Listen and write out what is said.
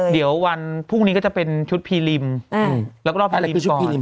เดี๋ยววันพรุ่งนี้ก็จะเป็นชุดพีริมแล้วก็รอบแฮรีพิชชี